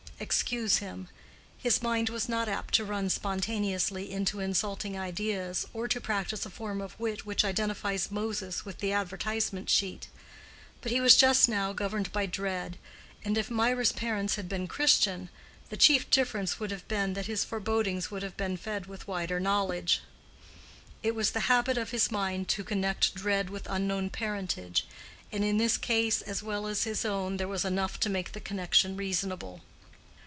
Excuse him: his mind was not apt to run spontaneously into insulting ideas, or to practice a form of wit which identifies Moses with the advertisement sheet; but he was just now governed by dread, and if Mirah's parents had been Christian, the chief difference would have been that his forebodings would have been fed with wider knowledge. It was the habit of his mind to connect dread with unknown parentage, and in this case as well as his own there was enough to make the connection reasonable.